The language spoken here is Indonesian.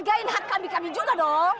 gakin hak kami kami juga dong